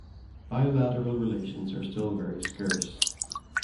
Bilateral relations are still very scarce.